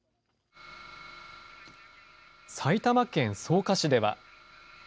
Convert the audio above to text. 埼玉県草加市では。